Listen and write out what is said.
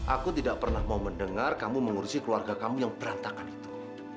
aku tidak pernah mau mendengar kamu mengurusi keluarga kamu yang berantakan itu